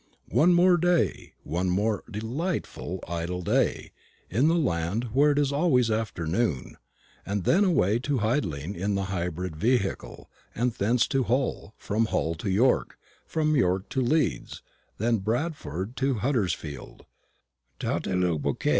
One more day, one more delightful idle day, in the land where it is always afternoon, and then away to Hidling in the hybrid vehicle, and thence to Hull, from Hull to York, from York to Leeds, then Bradford, Huddersfield _toute la boutique!